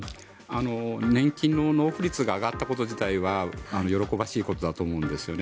年金の納付率が上がったこと自体は喜ばしいことだと思うんですね。